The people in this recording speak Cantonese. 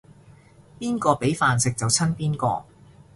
邊個畀飯食就親邊個